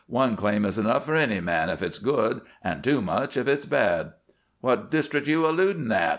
One claim is enough for any man if it's good, and too much if it's bad." "What district you alludin' at?"